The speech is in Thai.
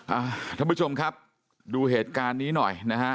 ท่านผู้ชมครับดูเหตุการณ์นี้หน่อยนะฮะ